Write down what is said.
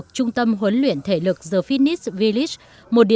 nhưng đó vẫn là một bất cứ bí mật